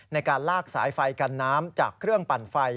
ในการลากสายไฟกันน้ำจากเครื่องปั่นไฟ